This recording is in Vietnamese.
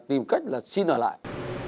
tìm cách là xin ở lại